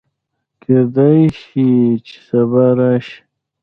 کېدی شي چې سبا راشي